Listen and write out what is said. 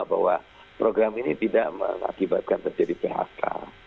bahwa program ini tidak mengakibatkan terjadi phk